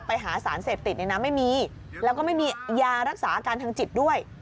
ไปหาสารเสพติดเนี่ยนะไม่มีแล้วก็ไม่มียารักษาอาการทางจิตด้วย